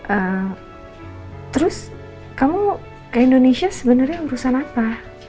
eh terus kamu ke indonesia sebenarnya urusan apa